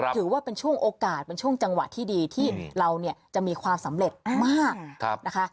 ถือว่าเป็นช่วงโอกาสเป็นช่วงจังหวะที่ดีที่เราเนี่ยจะมีความสำเร็จมากนะคะ